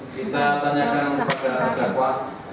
kita tanyakan kepada dakwa